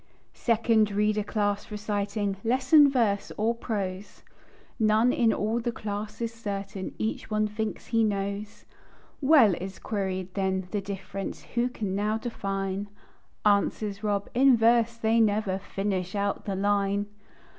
"Second Reader Class" reciting "Lesson verse or prose?" None in all the class is certain; Each one thinks he knows. "Well," is queried then, "the difference Who can now define?" Answers Rob: "In verse they never Finish out the line!"